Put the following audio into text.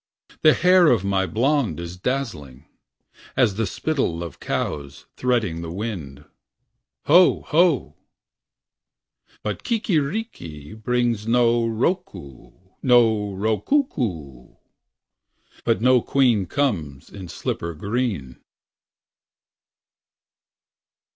The hair of my blonde Is dazzling. As the spittle of cows Threading the wind. Ho ! Ho ! But ki ki ri ki Brings no rou cou. No rou cou cou. But no queen comes In slipper green.